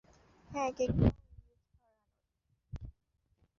হ্যাঁ, কেকটাও ইংরেজ ঘরানার!